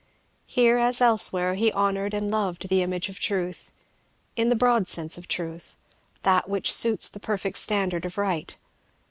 Here as elsewhere, he honoured and loved the image of truth; in the broad sense of truth; that which suits the perfect standard of right.